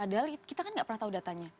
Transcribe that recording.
padahal kita kan gak pernah tahu datanya